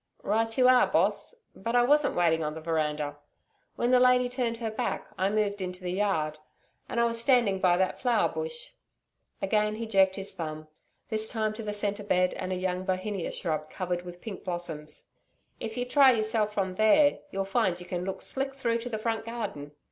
'Right you are, Boss. But I wasn't waiting on the veranda. When the lady turned her back, I moved into the yard, and I was standing by that flower bush' Again he jerked his thumb, this time to the centre bed, and a young bohinia shrub covered with pink blossoms 'If you try yourself from there, you'll find you can look slick through to the front garden.